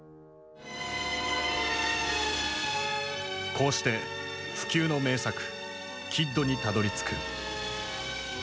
こうして不朽の名作「キッド」にたどりつく。